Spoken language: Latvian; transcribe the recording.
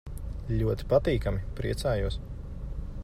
Ļoti patīkami. Priecājos.